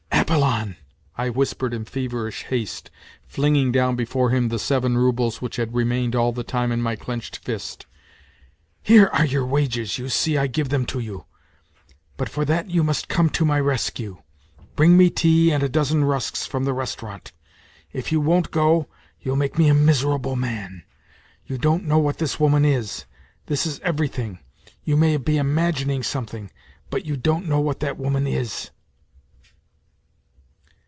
" Apollon," I whispered in feverish haste, flinging down before him the seven roubles which had remained all the time in my clenched fist, " here are your wages, you see I give them to you ; but for that you must come to my rescue : bring me tea and a dozen rusks from the restaurant. If you won't go, you'll make me a miserable man ! You don't know what this woman is. ... This is everything ! You may be imagining something. ... But you don't know what that woman is